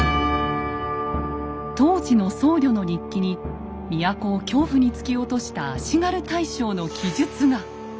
当時の僧侶の日記に都を恐怖に突き落とした足軽大将の記述が。